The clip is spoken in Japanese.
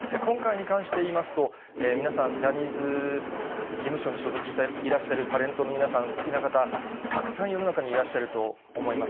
今回に関して言いますと、皆さん、ジャニーズ事務所に所属していらっしゃるタレントの皆さん、好きな方、たくさん世の中にいらっしゃると思います。